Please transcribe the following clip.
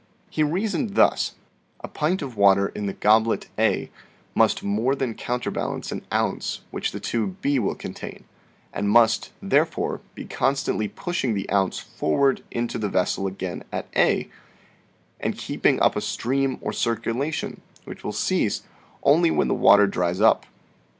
He PERPETUAL MOTION 47 reasoned thus : A pint of water in the goblet a must more than counterbalance an ounce which the tube b will con tain, and must, therefore, be constantly pushing the ounce forward into the vessel again at a, and keeping up a stream or circulation, which will cease only when the water dries Fig. 9. up.